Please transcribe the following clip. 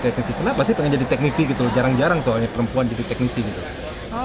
teknisi kenapa sih pengen jadi teknisi gitu loh jarang jarang soalnya perempuan jadi teknisi gitu